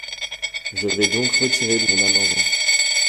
Je vais donc retirer mon amendement.